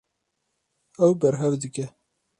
Ew berhev dike.